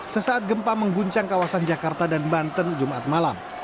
sesaat gempa mengguncang kawasan jakarta dan banten jumat malam